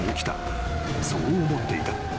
［そう思っていた］